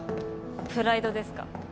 プライドですか。